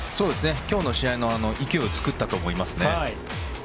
今日の試合の勢いを作ったと思いますね。